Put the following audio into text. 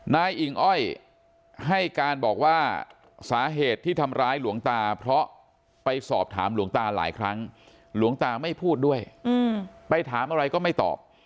นายอิ่งอ้อยให้การบอกว่าสาเหตุที่ทำร้ายหลวงตาเพราะไปสอบถามหลวงตาหลายครั้งหลวงตาไม่พูดด้วยไปถามอะไรก็ไม่ตอบ